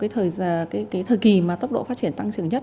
cái thời kỳ mà tốc độ phát triển tăng trưởng nhất